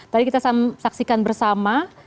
tadi kita saksikan bersama